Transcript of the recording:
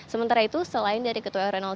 sementara itu selain dari ketua rw satu